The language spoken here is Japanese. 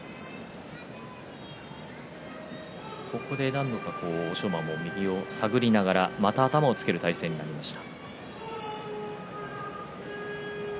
何度か欧勝馬も右を探りながらまた頭をつける体勢になりました。